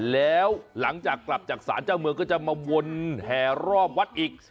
แล้วหลังจากกลับจากศาลเจ้าเมืองก็จะมาวนแห่รอบวัดอีก